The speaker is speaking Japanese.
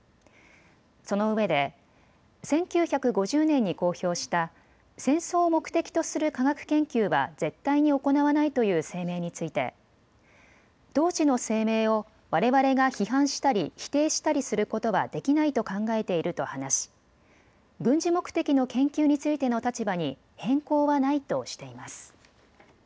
そのうえで１９５０年に公表した戦争を目的とする科学研究は絶対に行わないという声明について当時の声明をわれわれが批判したり否定したりすることはできないと考えていると話し軍事目的の研究についての立場に変更はないとしています。